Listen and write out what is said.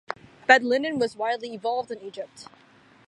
Bed linen was widely evolved in Egypt.